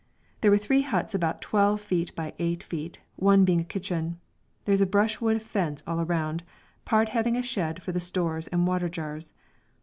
There were three huts about 12 feet by 8 feet, one being a kitchen. There is a brushwood fence all round, part having a shed for the stores and water jars.